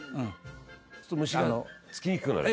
「すると虫がつきにくくなる？」